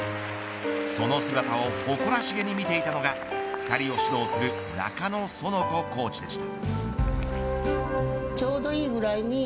その姿を誇らしげに見ていたのが２人を指導する中野園子コーチでした。